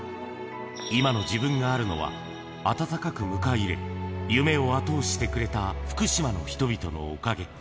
今の自分があるのは、温かく迎え入れ、夢を後押ししてくれた福島の人々のおかげ。